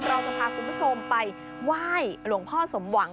เราจะพาคุณผู้ชมไปไหว้หลวงพ่อสมหวัง